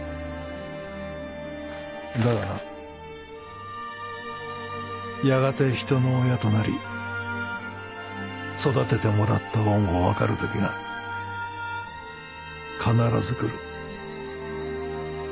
だがなやがて人の親となり育ててもらった恩を分かる時が必ず来る。